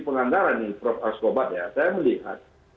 penganggaran nih prof askobat ya saya melihat